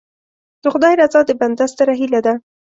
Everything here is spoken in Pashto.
د خدای رضا د بنده ستره هیله ده.